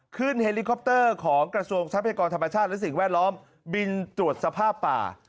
เฮลิคอปเตอร์ของกระทรวงทรัพยากรธรรมชาติและสิ่งแวดล้อมบินตรวจสภาพป่า